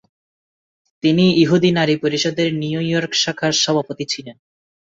তিনি ইহুদি নারী পরিষদের নিউ ইয়র্ক শাখার সভাপতি ছিলেন।